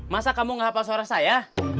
masa kamu gak hafal suara saya